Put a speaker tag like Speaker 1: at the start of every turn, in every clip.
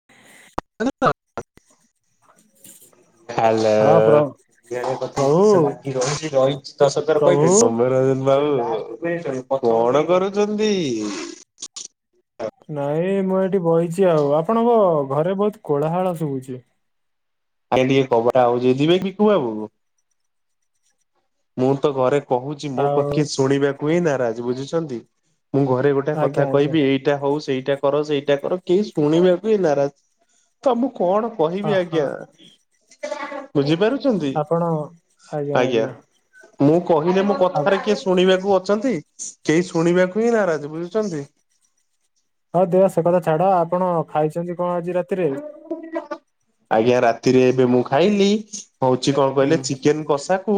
Speaker 1: [inaudible]
Speaker 2: [inaudible] Hello.
Speaker 1: ହଁ ପ୍ର ପ୍ରଭୁ
Speaker 2: [unintelligible] ଲାଗି ରହିଛି ରହିଛି ଦଶ ଥର
Speaker 1: ପ୍ରଭୁ
Speaker 2: କହିଲି ସୌମ୍ୟ ର [unintelligible] କଣ କରୁଛନ୍ତି?
Speaker 1: ନାଇଁ ମୁଁ ଏଠି ବଇଛି ଆଉ। ଆପଣଙ୍କ ଘରେ ବହୁତ କୋଳାହାଳ ଶୁଭୁଛି।
Speaker 2: ଆଜ୍ଞା ଟିକେ କବାଟ ଆଉଜେଇ ଦେବେ ବିକୁ ବାବୁ। ମୁଁ ତ ଘରେ କହୁଛି ମୋ
Speaker 1: ଆଉ
Speaker 2: କଥା କିଏ ଶୁଣିବାକୁ ହିଁ ନାରାଜ ବୁଝୁଛନ୍ତି ମୁଁ ଘରେ ଗୋ ଏଇଟା
Speaker 1: ଆଜ୍ଞା
Speaker 2: କଥା
Speaker 1: ଆଜ୍ଞା
Speaker 2: କହିବି ଏଇ ସେଇଟା ହଉ ସେଇଟା କର ସେଇଟା କର କେହି ଶୁଣିବାକୁ ନାରାଜ ତ ମୁଁ କଣ। କହିବି
Speaker 1: ଓହୋ
Speaker 2: ଆଜ୍ଞା ବୁଝିପାରୁଛନ୍ତି
Speaker 1: ଆପଣ
Speaker 2: ଆଜ୍ଞା। ମୁଁ କହିଲେ ମୋ
Speaker 1: ଆଉ
Speaker 2: କଥାରେ କିଏ ଶୁଣିବାକୁ ଅଛନ୍ତି କେହି ଶୁଣିବାକୁ ହିଁ ନାରାଜ ବୁଝୁଛନ୍ତି।
Speaker 1: ହଁ ଦେ ହ ସେ କଥା ଛାଡ। ଆପଣ ଖାଇଛନ୍ତି କଣ ଆଜି ରାତିରେ?
Speaker 2: ଆଜ୍ଞା ରାତିରେ ଏବେ ମୁଁ ଖାଇଲି। ହଉଚି କଣ
Speaker 1: ହୁଁ
Speaker 2: କହିଲେ ଚିକେନ କଷାକୁ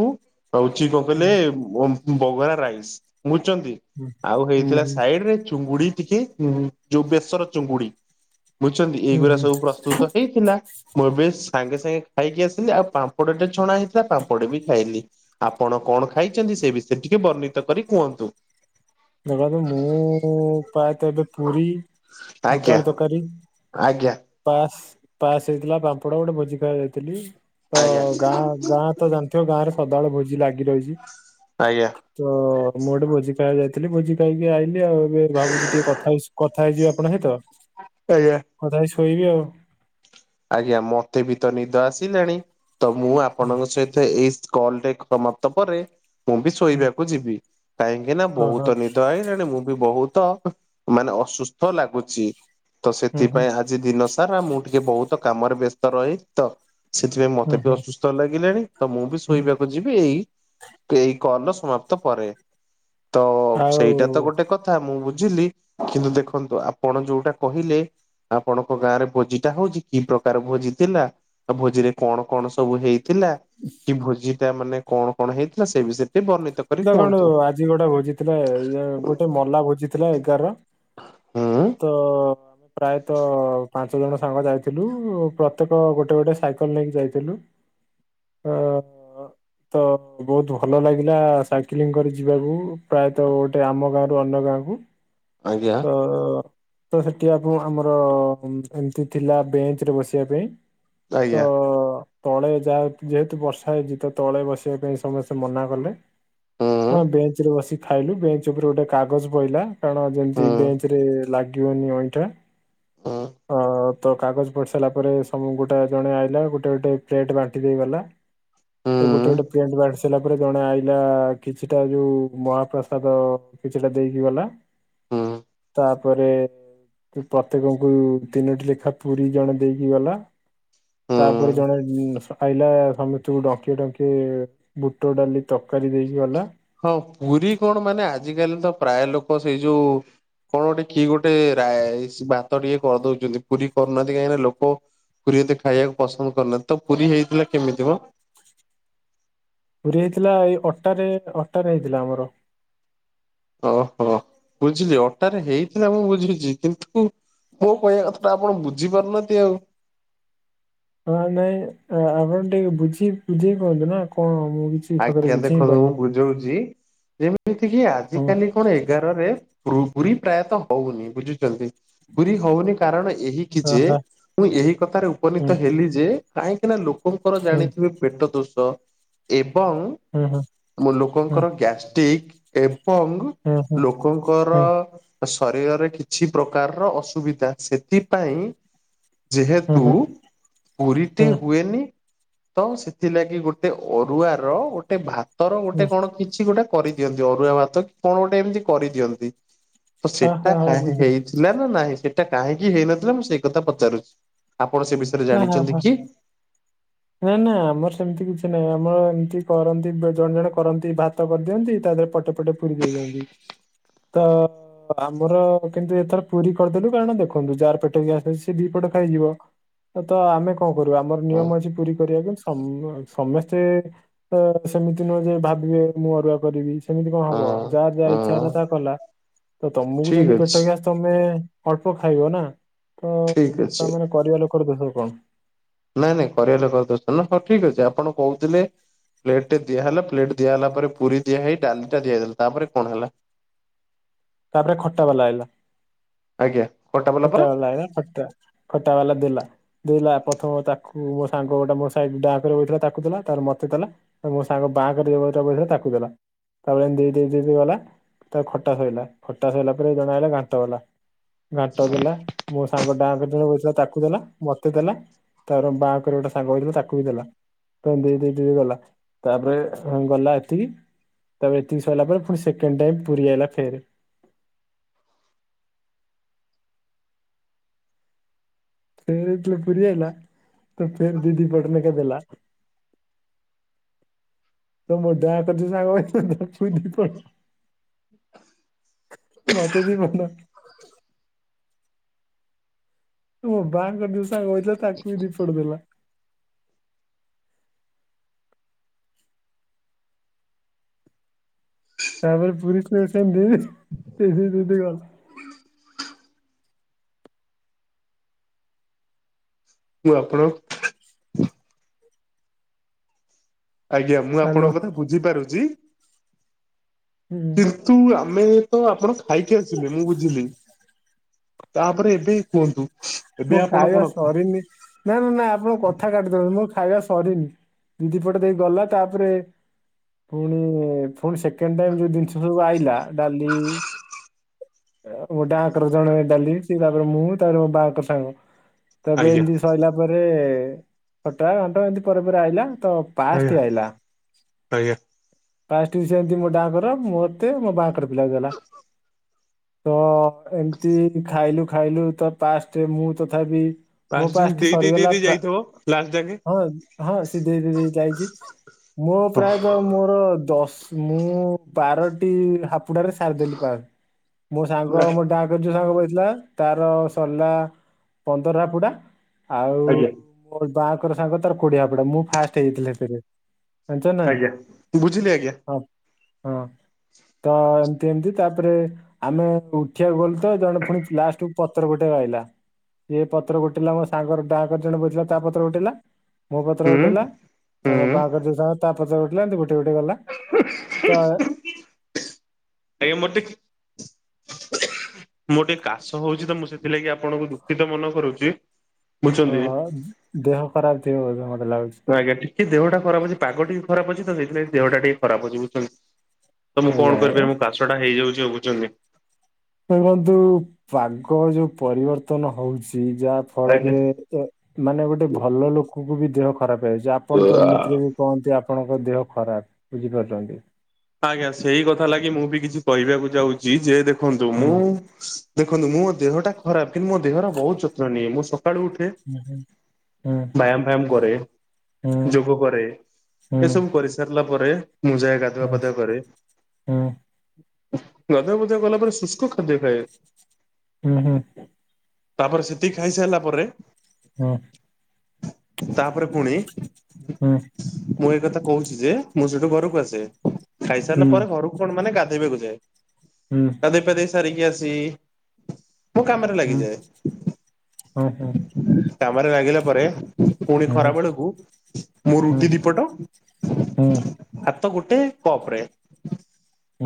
Speaker 2: ହଉଚି କଣ କହିଲେ।
Speaker 1: ହୁଁ
Speaker 2: ବମ ବଗରା ରାଇସ୍ ବୁଝୁଚନ୍ତି
Speaker 1: ହୁଁ
Speaker 2: ଆଉ
Speaker 1: ହୁଁ
Speaker 2: ହେଇଥିଲା
Speaker 1: ହୁଁ
Speaker 2: ସାଇଡରେ ଚୁଙ୍ଗୁଡି ଟିକେ। ଉଁ ଯୋଉ ବେସର ଚୁଙ୍ଗୁଡି ବୁଝୁଚନ୍ତି
Speaker 1: ହୁଁ
Speaker 2: ଏଇଗୁରା
Speaker 1: ହୁଁ
Speaker 2: ସବୁ ପ୍ରସ୍ତୁତ ହେଇଥିଲା। ମୁଁ ଏବେ ସାଙ୍ଗେ ସାଙ୍ଗେ ଖାଇକି ଆସିଲି ଆଉ ପାମ୍ପଡଟେ ଛଣା ହେଇଥିଲା ପାମ୍ପଡି ବି ଖାଇଲି। ଆପଣ କଣ ଖାଇଛନ୍ତି ସେ ବିଷୟରେ ଟିକେ ବର୍ଣ୍ଣିତ କରି କୁହନ୍ତୁ?
Speaker 1: ଦେଖନ୍ତୁ ମୁଁ ପ୍ରାୟ ତ ଏବେ ପୁରୀ। ବୁଟ
Speaker 2: ଆଜ୍ଞା
Speaker 1: ଆଳୁ ତରକାରୀ।
Speaker 2: ଆଜ୍ଞା
Speaker 1: ପାସ ପାସ ହେଇଥିଲା ପାମ୍ପଡ ଗୋଟେ ଭୋଜି ଖାଇବାକୁ ଯାଇଥିଲି ତ
Speaker 2: ଆଜ୍ଞା
Speaker 1: ଗାଁ ଗାଁ। ତ ଜାଣିଥିବ ଗାଁରେ ସଦାବେଳେ ଭୋଜି ଲାଗି ରହିଛି।
Speaker 2: ଆଜ୍ଞା।
Speaker 1: ତ ମୁଁ ଗୋଟେ ଭୋଜି ଖାଇବାକୁ ଯାଇ ଥିଲି ଭୋଜି ଖାଇକି ଆଇିଲି ଆଉ ଏବେ ଭାବୁଚି ଟିକେ କଥା ହେଇ ସ କଥା ହେଇଯିବି ଆପଣଙ୍କ ସହିତ
Speaker 2: ଆଜ୍ଞା।
Speaker 1: କଥା ହେଇ ଶୋଇବି ଆଉ।
Speaker 2: ଆଜ୍ଞା ମତେ ବି ତ ନିଦ ଆସିଲାଣି ତ ମୁଁ ଆପଣଙ୍କ ସହିତ ତ ଏଇସ୍ କଲ ଟେକ୍ ସମାପ୍ତ ପରେ ମୁଁ ବି ଶୋଇବାକୁ ଯିବି। କାହିଁକି ନା
Speaker 1: ଓହୋ
Speaker 2: ବହୁତ ନିଦ ଆଇଲାଣି ମୁଁ ବି ବହୁତ ମାନେ ଅସୁସ୍ଥ ଲାଗୁଚି। ତ
Speaker 1: ହୁଁ ହୁଁ
Speaker 2: ସେଥିପାଇଁ ଆଜି ଦିନ ସାରା ମୁଁ ଟିକେ ବହୁତ କାମରେ ବ୍ୟସ୍ତ ରହି ତ ସେଥିପାଇଁ
Speaker 1: ହୁଁ
Speaker 2: ମତେ ବି
Speaker 1: ହୁଁ
Speaker 2: ଅସୁସ୍ଥ ଲାଗିଲାଣି ତ ମୁଁ ବି
Speaker 1: ହୁଁ
Speaker 2: ଶୋଇବାକୁ ଯ ଯିବି ଏଇ ଏଇ କଲର ସମାପ୍ତ ପରେ ତ
Speaker 1: ଆଉ
Speaker 2: ସେଇଟା ତ ଗୋଟେ କଥ୍ ଥା ମୁଁ ବୁଝିଲି କିନ୍ତୁ ଦେଖନ୍ତୁ ଆପଣ ଯୋଉଟା କହିଲେ ଆପଣଙ୍କ ଗାଁରେ ଭୋଜିଟା ହଉଚି କି ପ୍ରକାର ଭୋଜି ଥିଲା ଆଉ ଭୋଜିରେ କଣ କଣ ସବୁ ହେଇଥିଲା କି ଭୋଜି ତା ମାନେ କଣ କଣ ହେଇଥିଲା ସେ ବିଷୟ ବର୍ଣିତ କରି
Speaker 1: ଦେଖଣୁ
Speaker 2: କୁହନ୍ତୁ।
Speaker 1: ଆଜି ଗୋଟେ ଭୋଜି ଥିଲା ଇ ଗୋଟେ ମଲା ଭୋଜି ଥିଲା ଏଗାର ର
Speaker 2: ଉଁ।
Speaker 1: ତ ପ୍ରାୟତଃ ପାଞ୍ଚ ଜଣ ସାଙ୍ଗ ଯାଇଥିଲୁ ପ୍ରତ୍ୟେକ ଗୋଟେ ଗୋଟେ ସାଇକଲ ନେଇକି ଯାଇଥିଲୁ।
Speaker 2: [inaudible]
Speaker 1: ଅ ତ ବହୁତ ଭଲ ଲାଗିଲା ସାଇକେଲିଂ କରି ଯିବାକୁ ପ୍ରାୟତଃ ଗୋଟେ ଆମ ଗାଁରୁ ଅନ୍ୟ ଗାଁକୁ
Speaker 2: ଆଜ୍ଞା।
Speaker 1: ତ ତ ସେଠି ଆଗୁ ଆମର ଏମ ଏମିତି ଥିଲା ବେଞ୍ଚ ରେ ବସିବା ପାଇଁ।
Speaker 2: ଆଜ୍ଞା
Speaker 1: ତ ତଳେ ଯାହା ଯେହେତୁ ବର୍ଷା ହେଇଛି ତ ତଳେ ବସିବା ପାଇଁ ସମସ୍ତେ ମନା କଲେ।
Speaker 2: ହୁଁ
Speaker 1: ହଁ ବେଞ୍ଚ ରେ ବସି ଖାଇଲୁ ବେଞ୍ଚ ଉପରେ ଗୋଟେ କାଗଜ ପଇଲା କାରଣ ଯେମି ତି
Speaker 2: ହୁଁ
Speaker 1: ବେଞ୍ଚ ରେ ଲାଗିବନି ଅଇଁଠା
Speaker 2: ହୁଁ
Speaker 1: ଅଁ ତ କାଗଜ ପଡି ସାଇଲା ପରେ ସବୁ ଗୋଟାଏ ଜଣେ ଆଇଲା ଗୋଟେ ଗୋଟେ ପ୍ଲେଟ ବାଣ୍ଟି ଦେଇଗଲା
Speaker 2: [unintelligible]
Speaker 1: ତ ଗୋଟେ ଗୋଟେ ପେଣ୍ଟ ବାଢି ସାରିଲା ପରେ ଜଣେ ଆଇଲା କିଛିଟା ଯୋଉ ମହାପ୍ରସାଦ କିଛିଟା ଦେଇକି ଗଲା।
Speaker 2: ହୁଁ
Speaker 1: ତାପରେ ପ୍ରତ୍ୟେକଙ୍କୁ ତିନୋଟି ଲେଖା ପୁରୀ ଜଣେ ଦେଇକି ଗଲା। ତାପରେ
Speaker 2: ହୁଁ।
Speaker 1: ଜଣେ ଉଁ ଆଇଲା ସମସ୍ତଙ୍କୁ ଡଙ୍କିଏ ଡଙ୍କିଏ ବୁଟ ଡାଲି ତକାରୀ ଦେଇକି ଗଲା
Speaker 2: ହଁ ପୁରୀ କଣ ମାନେ ଆଜି କାଲି ତ ପ୍ରାୟ ଲୋକ ସେଇ ଯୋଉ କଣ ଗୋଟେ କି ଗୋଟେ ରାଇସ ଭାତ ଟିକେ କରିଦଉଚନ୍ତି ପୁରୀ କରୁନାହାନ୍ତି କାହିଁକିନା ଲୋକ ପୁରୀ ଏତେ ଖାଇବାକୁ ପସନ୍ଦ କରିନାନ୍ତି ତ ପୁରୀ ହେଇଥିଲା କେମିତିିମ?
Speaker 1: ପୁରୀ ହେଇଥିଲା ଏଇ ଅଟାରେ ଅଟାରେ ହେଇଥିଲା ଆମର।
Speaker 2: ଓହୋ ବୁଝିଲି ଅଟାରେ ହେଇଥିଲା ମୁଁ ବୁଝୁଚି କିନ୍ତୁ ମୋ କହିବା କଥାଟା ଆପଣ ବୁଝି ପାରୁନାହାନ୍ତି ଆଉ।
Speaker 1: ହଁ ନାଇଁ ଆମେ ଟିକେ ବୁଝି ବୁଝେଇ ପାରୁନୁ ନା କଣ ମୁଁ କିଛି ସତରେ
Speaker 2: ଆଜ୍ଞା
Speaker 1: ବୁଝି ହିଁ
Speaker 2: ଦେଖନ୍ତୁ ମୁଁ
Speaker 1: ପାରୁନି।
Speaker 2: ବୁଝଉଚି ଯେମିତି କି ଆଜି
Speaker 1: ହଁ
Speaker 2: କାଲି କଣ ଏଗାରରେ ପ୍ରୁ ପୁରୀ ପ୍ରାୟତଃ ହଉନି ବୁଝୁଚନ୍ତି ପୁରୀ ହଉନି କାରଣ ଏହି କି
Speaker 1: ଅ
Speaker 2: ଯେ
Speaker 1: ହ
Speaker 2: ମୁଁ ଏହି କଥାରେ
Speaker 1: ହୁଁ
Speaker 2: ଉପନୀତ ହେଲି ଯେ କାହିଁକିନା ଲୋକ ଲୋକଙ୍କର
Speaker 1: ହୁଁ
Speaker 2: ଜାଣିଥିବେ ପେଟ ଦୋଷ। ଏବଂ
Speaker 1: ହୁଁ ହୁଁ
Speaker 2: ଲୋକଙ୍କର
Speaker 1: ହୁଁ
Speaker 2: ଗ୍ୟାଷ୍ଟିକ୍ ଏବଂ।
Speaker 1: ହୁଁ
Speaker 2: ଲୋକଙ୍କର।
Speaker 1: ହୁଁ
Speaker 2: ଶରୀରରେ କିଛି ପ୍ରକାରର ଅସୁବିଧା ସେଥିପାଇଁ।
Speaker 1: ହୁଁ
Speaker 2: ଯେହେତୁ
Speaker 1: ହୁଁ ହୁଁ ହୁଁ
Speaker 2: ପୁରୀଟି ହୁଏନି ତ ସେଥିଲାଗି ଗୋଟେ। ଅରୁଆ ର ଗୋଟେ ଭାତର ଗୋଟେ କଣ କି କିଛି ଗୋଟେ କରିଦିଅନ୍ତି, ଅରୁଆ ଭାତ କି କଣ ଗୋଟେ ଏମିତି କରିଦିଅନ୍ତି। ତ
Speaker 1: ହଁ
Speaker 2: ସେଟା
Speaker 1: ହଁ ହଁ
Speaker 2: କାଁ
Speaker 1: ବୁଝିଲି
Speaker 2: ହେଇଛ୍ ଥିଲା ନା ନାଇଁ ସେଇଟା କାହିଁକି ହେଇନଥିଲା, ମୁଁ ସେଇ କଥା ପଚାରୁଛି ଆପଣ ସେ ବି
Speaker 1: ଓ ହୋ ହଁ।
Speaker 2: [inaudible]
Speaker 1: ନାଁ ନାଁ ଆମର ସେମିତି କିଛି ନାହିଁ, ଆମର ଏମିତି କରନ୍ତି ଜଣେ ଜଣେ କରନ୍ତି ଭାତ କରିଦିଅନ୍ତି ତା ଦେହରେ ପଟେ ପଟେ ପୁରୀ ଦେଇ ଦିଅନ୍ତି ତ। ଆମର କିନ୍ତୁ ଏଥର ପୁରୀ କରିଦେଲୁ କାରଣ ଦେଖନ୍ତୁ ଯାହାର ପେଟ ଗ୍ୟାସ୍ ହେଇଚି ସେ ଦି ପଟ ଖାଇଯିବ। ତ ଆମେ କଣ କରୁ ଆମର
Speaker 2: ହଁ
Speaker 1: ନିୟମ ଅଛି ପୁରୀ କରିବାକୁ। ସମ ସମସ୍ତେ ତ ସେମିତି ନୁହଁ ଯେ ଭାବିବେ ମୁଁ ଅରୁଆ କରିବି। ସେମିତି କଣ
Speaker 2: ହଁ
Speaker 1: ହବ ଯାହାର ଯାହା ଇଚ୍ଛା
Speaker 2: ହଁ
Speaker 1: ହେଲା ତା କଲା ତମକୁ
Speaker 2: ଠିକ
Speaker 1: ଯଦି ପେଟ
Speaker 2: ଅଛି
Speaker 1: ଗ୍ୟାସ୍ ତମେ ଅଳ୍ପ ଖାଇବ ନାଁ ତ
Speaker 2: ଠିକ ଅଛି।
Speaker 1: ତାମାନେ କରିବା ଲୋକର ଦୋଷ କଣ।
Speaker 2: ନାଇଁ ନାଇଁ କରିବା ଲୋକର ଦୋଷ ନୁହଁ ହଉ ଠିକ୍ ଅଛି ଆପଣ କହୁଥିଲେ। ପ୍ଲେଟେ ଦିଆ ହେଲା ପ୍ଲେଟ ଦିଆ ହେଲା ପରେ ପୁରୀ ଦିଆ ହେଇ ଡାଲି ଟା ଦିଆ ଦେଲା ତାପରେ କଣ ହେଲା? [inaudible]
Speaker 1: ତାପରେ ଖଟା ବାଲା ଆଇଲା ଖଟା ବାଲା ଆଇଲା ଖଟା। ଖଟ୍ଟା ବାଲା ଦେଲା। ଦେଲା ପ୍ରଥମ ତାକୁ ମୋ ସାଙ୍ଗ ଗୋଟେ ମୋ ସାଇଡ୍ ଦାକ୍ ରେ ବୈଥିଲା ତାକୁ ଦେଲା ତାର ମତେ ଦେଲା। ମୋ ସାଙ୍ଗ ବାଁକରେ ଯିଏ ବଇଥିଲା ତାକୁ ଦେଲା। ତାପରେ ଏମିତି ଦେଇ ଦେଇ ଗଲା ତା ଖଟା ଶଇଲା। ଖଟା ସଇଲା ପରେ ଜଣେ ଆଇଲା ଘାଣ୍ଟ ଦେଲା, ଘାଣ୍ଟ ଦେଲା ମୋ ସାଙ୍ଗ ଦାଁ କତିରେ ବୈଥିଲା ତାକୁ ଦେଲା ମତେ ଦେଲା। ତାର ବାଁ କରେ ଗୋଟେ ସାଙ୍ଗ ବୈଥିଲା ତାକୁ ବି ଦେଲା। ତ ଦେଇ -ଦେଇ -ଦେଇ ଗଲା ତାପରେ ଗଲା ଏତିକି ତାପରେ ଏତିକି ସଇଲା ପରେ ପୁଣି ସେକେଣ୍ଡ୍ ଟାଇମ୍ ପୁରୀ ଆଇଲା ଫେରେ। ଫେରେ ଯେତେବେଳେ ପୁରୀ ଆଇଲା ତ ଫେରେ ଦିଦି ପଟନେଖା ଦେଲା। ତ ମୋ ଡାଁ କରେ ଯୋଉଁ ସାଙ୍ଗ ବଇଥିଲା ତାକୁ ଦୁଇ ପଟ। ମତେ ଦି ପଟ। ମୋ ବାଁକରେ ଯୋଉଁ ସାଙ୍ଗ ବୈଥିଲା ତାକୁ ବି ଦି ପଟ ଦେଲା। ତାପରେ ପୁରୀ ସେମିତି [unintelligible] ଦେଇ ଦେଇ ଗଲା।
Speaker 2: ମୁଁ ଆପଣ ଆଜ୍ଞା ମୁଁ
Speaker 1: ହ୍ୟାଲୋ
Speaker 2: ଆପଣଙ୍କ କଥା ବୁଝିପାରୁଚି।
Speaker 1: ହୁଁ
Speaker 2: କିନ୍ତୁ ଆମେ ତ ଆପଣ ଖାଇକି ଆସିଲେ ମୁଁ ବୁଝିଲି। ତାପରେ ଏବେ କୁହନ୍ତୁ। ଏବେ
Speaker 1: ମୋ
Speaker 2: ଆପଣ
Speaker 1: ଖାଇବା
Speaker 2: କଣ
Speaker 1: ସରିନି। ନାଁ -ନାଁ -ନାଁ ଆପଣ କଥା କାଟି ଦୌଛନ୍ତି, ମୋ ଖାଇବା ସରିନି ଦିଦି ପଟେ ଦେଇ ଗଲା ତାପରେ ପୁଣି ପୁଣି ସେକେଣ୍ଡ୍ ଟାଇମ୍ ଯୋଉଁ ଜିନିଷ ସବୁ ଆଇଲା ଡାଲି। ଗୋ ହାତରୁ ଜଣେ ଡାଲି ତାପରେ ମୁଁ ତାପରେ ମୋ ବାଁ କର ସାଙ୍ଗ। ତାପରେ
Speaker 2: ଆଜ୍ଞା
Speaker 1: ଏମତି ସରିଲା ପରେ ଖଟା, ଘାଣ୍ଟ ଏମିତି ପରେ ପରେ ଆଇଲା ତ
Speaker 2: ଆଜ୍ଞା
Speaker 1: ପାଶଟି ଆଇଲା
Speaker 2: ଆଜ୍ଞା
Speaker 1: ପାଶଟିକି ସେମିତି ମୋ ଡାଙ୍କର ମତେ ମୋ ବାଙ୍କର ବୁଲାଇ ଦେଲା ତ ଏମତି ଖାଇଲୁ ଖାଇଲୁ ତ ପାସ ଯେ ମୁଁ ତଥାପି ମୋ
Speaker 2: ପାସ୍ ଯେମିତି
Speaker 1: ପାସଟି
Speaker 2: ଦେଇ ଦେଇ ଦେଇ
Speaker 1: ସରିଗଲା
Speaker 2: ଦେଇ
Speaker 1: ପା
Speaker 2: ଯାଇଥିବ ଲାଷ୍ଟ ଯାକେ।
Speaker 1: ହଁ ହଁ ସେ ଧୀରେ ଧୀରେ ଯାଇଛି ମୋ ପ୍ରାୟତଃ ମୋର ଦଶ ମୁଁ ବାରଟି ହାପୁଡାରେ ସାରିଦେଲି ପାର ମୋ ସାଙ୍ଗ ମୋ ଡା [unintelligible] ସାଙ୍ଗ ବହିଥିଲା ତାର ସରିଲା ପନ୍ଦର ହାପୁଡା ଆଉ
Speaker 2: ଆଜ୍ଞା
Speaker 1: ମୋ ବାଙ୍କର ସାଙ୍ଗ ତାର କୋଡିିଆ ହାପୁଡା ମୁଁ ଫାଷ୍ଟ ହେଇଥିଲି ହେଥିରେ। ଜାଣିଛ ନାଇଁ?
Speaker 2: ଆଜ୍ଞା ବୁଝିଲି ଆଜ୍ଞା
Speaker 1: ହଁ। ହଁ।
Speaker 2: [unintelligible]
Speaker 1: ତ ଏମତି ଏମତି ତାପରେ ଆମେ ଉଠିବାକୁ ଗଲୁ ତ ଜଣେ ଫୁଣି ଲାଷ୍ଟକୁ ପତର ଗୋଟେଇବାକୁ ଆଇଲା। ଇଏ ପତ୍ର ଗୋଟିଲା ମୋ ସାଙ୍ଗର ଡାହାକର ଜଣେ ବଇଥିଲା ତା ପତ୍ର ଗୋଟେଇଲା ମୋ ପତ୍ର
Speaker 2: ହୁଁ
Speaker 1: ଗୋଟେଇଲା। ତମ
Speaker 2: ହୁଁ।
Speaker 1: ବାହାଘର ଯୋଉ ସାଙ୍ଗ ତା ପତର ଗୋଟେଇଲା ଏମିତି ଗୋଟେଇ ଗୋଟେଇ ଗଲା ତ
Speaker 2: ଟାଇ ମୋଟେ [inaudible] ମୋର ଟିକେ କାଶ ହଉଛି ତ ମୁଁ ସେଥିଲାଗି ଆପଣଙ୍କୁ ଦୁଃଖିତ ମନ କରୁଛି। ବୁଝଛନ୍ତି।
Speaker 1: ଓହୋ ଦେହ ଖରାପ ଥିବ ବୋଧେ ମତେ ଲାଗୁଛି।
Speaker 2: ହଁ ଆଜ୍ଞା ଟିକେ ଦେହଟା ଖରାପ ଅଛି ପାଗ ଟିକେ ଖରାପ ଅଛି ତ ସେଇଥିଲାଗି ଦେହଟା ଟିକେ ଖରାପ ଅଛି ବୁଝୁଛନ୍ତି? ତ ମୁଁ
Speaker 1: ଆଜ୍ଞା
Speaker 2: କଣ
Speaker 1: ଆଜ୍ଞା।
Speaker 2: କରିିପାରିବି ମୁଁ କାଶଟା ହେଇଯାଉଛି ଆଉ ବୁଝୁଛନ୍ତି?
Speaker 1: ଦେଖନ୍ତୁ ପାଗ ଯୋଉ ପରିବର୍ତ୍ତନ ହଉଛି ଯାହା
Speaker 2: ଆଜ୍ଞା।
Speaker 1: ଫଳରେ ତେ ମାନେ ଗୋଟେ ଭଲ ଲୋକକୁ ବି ଦେହ ଖରାପ ହେଇଯାଇଛି ଆପଣ ତ ଏମିତିରେ ବି କହନ୍ତି ଆପଣଙ୍କ ଦେହ ଖରାପ ବୁଝିପାରୁଛନ୍ତି?
Speaker 2: ହଁ ଆଜ୍ଞା ସେଇ କଥା ଲାଗି ମୁଁ ବି କିଛି କହିବାକୁ ଯାଉଛି ଯେ ଦେଖନ୍ତୁ
Speaker 1: ହୁଁ
Speaker 2: ମୁଁ ଦେଖନ୍ତୁ ମୋ ଦେହଟା ଖରାପ କିନ୍ତୁ ମୋ ଦେହର ବହୁତ ଯତ୍ନ ନିଏ ମୁଁ ସକାଳୁ ଉଠ ଠେ
Speaker 1: ହୁଁ ହୁଁ
Speaker 2: ବ୍ୟାୟାମ ଫ୍ୟାୟାମ କରେ।
Speaker 1: ହୁଁ।
Speaker 2: ଯୋଗ କରେ ଏସବୁ କରିସାରିଲା ପରେ ମୁଁ ଯାଏ ଗା ଗାଧୁଆ କରେ ଗାଧୁଆ ଫାଦୁଆ କଲା ପରେ ଶୁଷ୍କ ଖାଦ୍ୟ ଖାଏ।
Speaker 1: ହୁଁ ହୁଁ।
Speaker 2: ତାପରେ ସେତିକି ଖାଇସାରିଲା ପରେ
Speaker 1: ହଁ।
Speaker 2: ତାପରେ ପୁଣି ମୁଁ ଏ କଥା କହୁଛି ଯେ ମୁଁ ସେଠୁ ଘରକୁ ଆସେ। ଖାଇସାରିଲା ପରେ ଘରକୁ କଣ ମାନେ ଗାଧେଇବାକୁ ଯାଏ।
Speaker 1: ହୁଁ।
Speaker 2: ଗାଧେଇ ଫାଧେଇ ସାରିକି ଆସି ମୋ କାମରେ ଲାଗିଯାଏ। କାମରେ ଲାଗିଲା ପରେ ପୁଣି ଖରା ବେଳକୁ ମୁଁ ରୁଟି ଦିପଟ ହାତ ଗୋଟେ କପ ରେ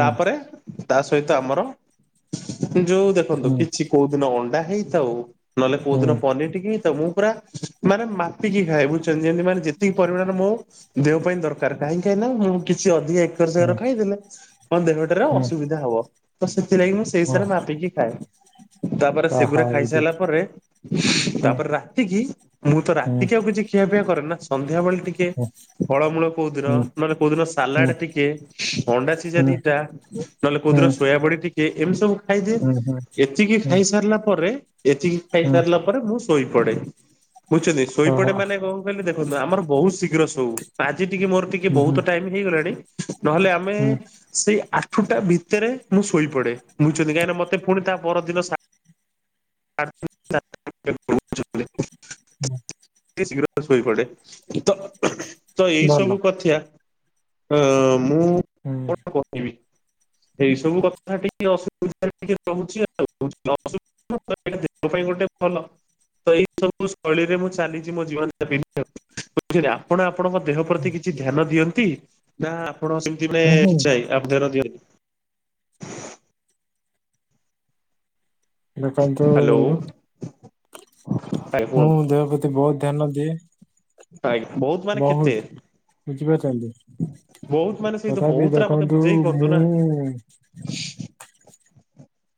Speaker 2: ତାପରେ ତା ସହିତ ଆମର ଯୋଉ ଦେଖନ୍ତୁ କିଛି କୋଉ ଦିନ ଅଣ୍ଡା ହେଇଥାଉ ନହେଲେ କୋଉ ଦିନ ପନିର ରି ହେଇଥାଉ ମୁଁ ପୁରା ମାନେ ମାପିକି ଖାଏ ବୁଝୁଛନ୍ତି ଯେମିତି ମାନେ ଯେ ତିକି ପରିମାଣରେ ମୋ ଦେହ ପାଇଁ ଦରକାର କାହିଁ କାଇଁନା ମୁଁ କିଛି ଅଧିକା ଏକର ସେକର ଖାଇଦେଲେ ମୋ ଦେହଟିର ଅସୁବିଧା ହବ ତ ସେଥିଲାଗି ମୁଁ ସେଇ ହିସାବରେ ମାପିକି ଖାଏ ତାପରେ ସେଗୁରା ଖାଇସାରିଲା ପରେ ତାପରେ ରାତିକି ମୁଁ ତ ରାତିକି ଆଉକିଛି ଖିଆପିଆ କରେ ନା ସନ୍ଧ୍ୟାବେଳେ ଟିକେ ଫଳମୂଳ କୋଉ ଦିନ ନହେଲେ କୋଉଦିନ ସାଲାଡ ଟିକେ ଅଣ୍ଡା ସିଝା ଦିଟା ନହେଲେ କଉଦିନ ସୋୟାବଡି ଟିକେ ଏମିତି ସବୁ ଖାଇଦିଏ ଏତିକି ଖାଇସାରିଲା ପରେ ଏତିକି ଖାଇସାରିଲା ରେ ମୁଁ ଶୋଇପଡେ ବୁଝଛନ୍ତି ଶୋଇପଡେ ମାନେ କ ଦେଖନ୍ତୁ ଆମର ବହୁତ ଶୀଘ୍ର ଶୋଉ ଆଜି ଟିକେ ମୋର ଟିକେ ବହୁତ ଟାଇମ ହେଇଗଲାଣି ନହେଲେ ଆମେ ସେଇ ଆଠଟା ଭିତରେ ମୁଁ ଶୋଇପଡେ ବୁଝୁଛନ୍ତି କାହିଁକିନା ମତେ ପୁଣି ତା ପରଦିନ [inaudible]
Speaker 1: ହଁ।
Speaker 2: ଶୀଘ୍ର ଶୋଇପଡେ ଇତ ତ ଏଇ
Speaker 1: ଭଲ।
Speaker 2: ସବୁ କଥିୟା ହ ମୁଁ
Speaker 1: ହୁଁ
Speaker 2: କଣ କହିବି? ଏଇ ସବୁ କଥା ଟିକେ ଅସୁବିଧାରେ ଟିକେ ରହୁଛି ଆଉ ଅଶୁ ହଁ ତ ଏଇଟା ଦେହ ପାଇଁ ଗୋଟେ ଭଲ। ତ ଏଇ ସବୁ ଶୈଳୀରେ ମୁଁ ଚାଲିଛି ମୋ ଜୀବନଜାପିନ। ଝିଲେ ଆପଣ ଆପଣଙ୍କ ଦେହ ପ୍ରତି କିଛି ଧ୍ୟାନ ଦିଅନ୍ତି ନା ଆପଣ ସେମତି ମାନେ।
Speaker 1: ହୁଁ ହୁଁ
Speaker 2: [unintelligible] ଧ୍ୟାନ ଦିଅନ
Speaker 1: ଦେଖନ୍ତୁ
Speaker 2: ହ୍ୟାଲୋ ଆଜ୍ଞା କୁହନ୍ତୁ।
Speaker 1: ମୁଁ ଦେହ ପ୍ରତି ବହୁତ ଧ୍ୟାନ ଦିଏ।
Speaker 2: ଆ ବହୁତ ମାନେ କେତେ?
Speaker 1: ବୁଝିପାରୁଛନ୍ତି
Speaker 2: ବହୁତ ମାନେ ସେଇତ
Speaker 1: ତଥାପି
Speaker 2: ବହୁତ ଟା ମତେ
Speaker 1: ଦେଖନ୍ତୁ
Speaker 2: ବୁଝେଇକି କୁହନ୍ତୁ ନା।
Speaker 1: ମୁଁ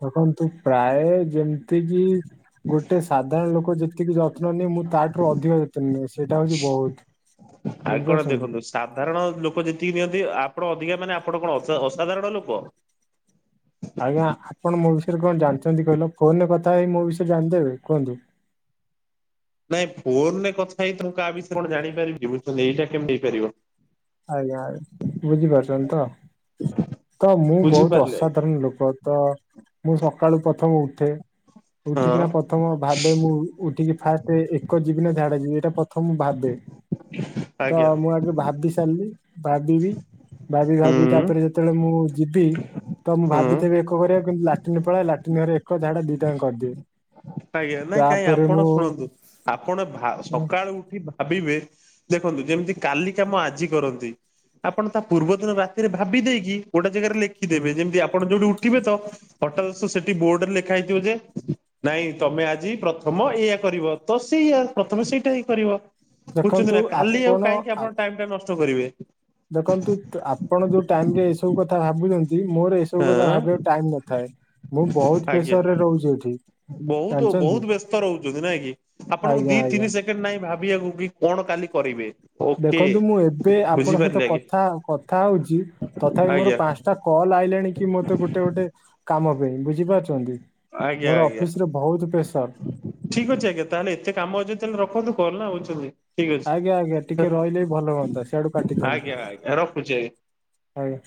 Speaker 1: ଦେଖନ୍ତୁ ପ୍ରାୟେ ଯେମିତିକି ଗୋଟେ ସାଧାରଣ ଲୋକ ଯେତିକି ଯ ଯନ ନି ମୁଁ ତାଠୁ ଅଧିକ ଯତ୍ନ ନିଏ ସେଇଟା ହଉଛି ବହୁତ
Speaker 2: ଆଉ କଣ
Speaker 1: ବୁଝିପାରୁଛନ୍ତି।
Speaker 2: ଦେଖନ୍ତୁ ସାଧାରଣ ଲୋକ ଯେତିକି ନିଅନ୍ତି ଆପଣ ଅଧିକା ମାନେ ଆପଣ କଣ ଅ ଅସାଧାରଣ ଲୋକ?
Speaker 1: ଆଜ୍ଞା ଆପଣ ମୋ ବିଷୟରେ କଣ ଜାଣିଛନ୍ତି କହିଲ ଫୋନ ରେ କଥା ହେଇ ମୋ ବିଷୟରେ ଜାଣିଦେବେ କୁହନ୍ତୁ?
Speaker 2: ନାଇଁ ଫୋନ ରେ କଥା ହେଇ ତମ କାହା ବି ସ କଣ ଜାଣିପାରିବ ବୁଝଚନ୍ତୀ ଏଇଟା କେମିତି ହେଇପାରିବ?
Speaker 1: ଆଜ୍ଞା ବୁଝିପାରୁଚନ୍ତି ତ ତ ମୁଁ ବହୁତ
Speaker 2: ବୁଝିପାରିଲେ
Speaker 1: ଅସାଧାରଣ ଲୋକ। ତ ମୁଁ ସକାଳୁ ପ୍ରଥମେ ଉଠେ।
Speaker 2: ହଁ
Speaker 1: ଉଠିକି ନା ପ୍ରଥମ ଭାବେ ମୁଁ ଉଠିକି ଫାଷ୍ଟ ଏକ ଯିବି ନା ଝାଡା ଯିବି ଏଇଟା ପ୍ର ତ ମୁଁ ଭାବେ ତ
Speaker 2: ଆଜ୍ଞା
Speaker 1: ମୁଁ ଆଗେ ଭାବି ସାରିଲି ଭାବିବି ଭାବି ଭାବି
Speaker 2: ହୁଁ
Speaker 1: ତାପରେ ଯେତେବେଳେ ମୁଁ ଯିବି ତ ମୁଁ
Speaker 2: ହୁଁ
Speaker 1: ଭାବିଥିବି ଏକ କରିଆକୁ କିନ୍ତୁ ଲାଟିନୀ ପଳାଇଲା ଲାଟିନ ଘରେ ଏକ ଝାଡା ଦି ଟା ଯାକ କରିଦିଏ।
Speaker 2: ଆଜ୍ଞା ନାଇଁ କାହିଁ
Speaker 1: ତାପରେ
Speaker 2: ଆପଣ
Speaker 1: ମୁଁ
Speaker 2: ଶୁଣନ୍ତୁ ଆପଣ ଭା
Speaker 1: ହୁଁ
Speaker 2: ସକାଳୁ ଉଠି ଭା ଭାବିବେ ଦେଖନ୍ତୁ ଯେମିତି କାଲି କାମ ଆଜି କରନ୍ତି। ଆପଣ ତା ପୂର୍ବ ଦିନ ରାତିରେ ଭାବି ଦେଇକି ଗୋଟେ ଜାଗାରେ ଲେ
Speaker 1: ହୁଁ
Speaker 2: ଖିଦେବେ ଯେମିତି ଆପଣ ଯୋଉଠି ଉଠିବେ ତ ହଠାତ୍ ସେଠି ବୋର୍ଡ ରେ ଲେଖା ହେଇଥିବ ଯେ ନାଇଁ ତମେ ଆଜି ପ୍ରଥମ ଏଇଆ କରିବ ତ ସେୟା ପ୍ରଥମେ ସେଇଟା ହିଁ କରିବ। ବୁଝୁଛନ୍ତି
Speaker 1: ଦେଖନ୍ତୁ
Speaker 2: ନା କାଲି ଆଉ
Speaker 1: ଆପଣ
Speaker 2: କାହିଁକି
Speaker 1: ଆ
Speaker 2: ଆପଣ ଟାଇମ୍ ଟା ନଷ୍ଟ କରିବେ?
Speaker 1: ଦେଖନ୍ତୁ ଆପଣ ଯୋଉ ଟାଇମ ରେ ଏ ସବୁ କଥା ଭାବୁଛନ୍ତି। ବି ମୋର ଏସବୁ
Speaker 2: ହଁ
Speaker 1: କଥା ଭାବିଆକୁ ଟାଇମ ନଥାଏ ମୁଁ ବହୁତ
Speaker 2: ଆଜ୍ଞା
Speaker 1: ପ୍ରେସରରେ ରହୁଛି ଏଠି।
Speaker 2: ବହୁତ
Speaker 1: ଜାଣିଛନ୍ତି
Speaker 2: ବହୁତ ବ୍ୟସ୍ତ ରହୁଛନ୍ତି ନାଇଁ କି ଆପଣଙ୍କୁ
Speaker 1: ଆଜ୍ଞା
Speaker 2: ଦି
Speaker 1: ଆଜ୍ଞା
Speaker 2: ତିନି ସେ ନାଇଁ ଭାବିବାକୁ ବି କଣ କାଲି କରିବେ? ଓକେ।
Speaker 1: ଦେଖନ୍ତୁ ମୁଁ ଏବେ ଆପଣଙ୍କ ସହିତ
Speaker 2: ବୁଝିପାରିଲେ
Speaker 1: କଥା କଥା ହଉଛି
Speaker 2: ଆଜ୍ଞା
Speaker 1: ତଥାପି ମୋର
Speaker 2: ଆଜ୍ଞା
Speaker 1: ପାଞ୍ଚ ତା କଲ୍ ଆଇଲାଣି କି ମୋତେ ଗୋଟେ ଗୋଟେ କାମ ପାଇଁ ବୁଝିପାରୁଛନ୍ତି।
Speaker 2: ଆଜ୍ଞା
Speaker 1: ମୋର
Speaker 2: ଆଜ୍ଞା।
Speaker 1: ଅଫିସ ରେ ବହୁତ ପ୍ରେସର
Speaker 2: ଠିକ୍ ଅଛି ଆଜ୍ଞା ତାହେଲେ ଏତେ କାମ ଅଛି ତାହେଲେ ରଖନ୍ତୁ କଲ୍ ନା ବୁଝ୍ଛନ୍ତି।
Speaker 1: ଆଜ୍ଞା ଆଜ୍ଞା ଟିକେ ରହିଲେ ବି ଭଲ ହୁଅନ୍ତା ସେଆଡୁ କାଟି ଦିଅନ୍ତୁ
Speaker 2: ଆଜ୍ଞା ଆଜ୍ଞା ରଖୁଛି ଆଜ୍ଞା।
Speaker 1: ଆଜ୍ଞା।